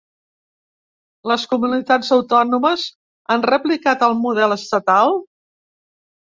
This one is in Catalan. Les comunitats autònomes han replicat el model estatal?